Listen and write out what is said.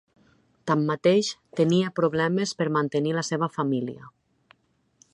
Tanmateix, tenia problemes per mantenir la seva família.